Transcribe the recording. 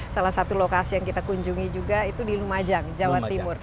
salah satu lokasi yang kita kunjungi juga itu di lumajang jawa timur